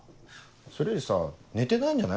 それよりさ寝てないんじゃない？